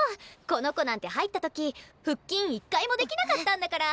この子なんて入った時腹筋一回もできなかったんだから。